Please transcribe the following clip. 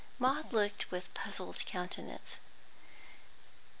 Maud looked with puzzled countenance.